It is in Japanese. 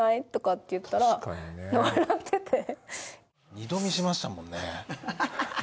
２度見しましたもんね。